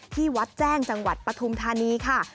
ที่วัดแจ้งจังหวัดปฐุมธานีค่ะ